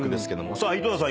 さあ井戸田さん